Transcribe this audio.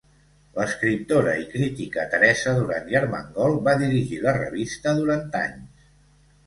L'escriptora i crítica Teresa Duran i Armengol va dirigir la revista durant anys.